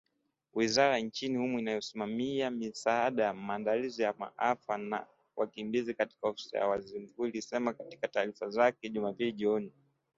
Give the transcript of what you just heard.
Wizara nchini humo inayosimamia misaada, maandalizi ya maafa na wakimbizi katika Ofisi ya Waziri Mkuu ilisema katika taarifa yake Jumapili jioni.